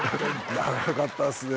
長かったですね。